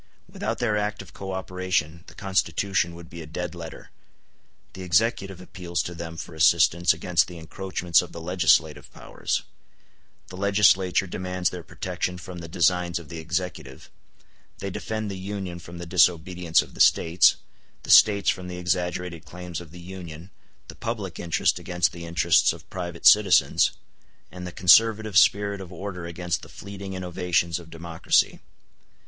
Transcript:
Without their active co operation the Constitution would be a dead letter: the Executive appeals to them for assistance against the encroachments of the legislative powers; the Legislature demands their protection from the designs of the Executive; they defend the Union from the disobedience of the States, the States from the exaggerated claims of the Union, the public interest against the interests of private citizens, and the conservative spirit of order against the fleeting innovations of democracy.